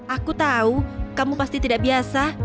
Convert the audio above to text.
aku tahu kamu pasti tidak biasa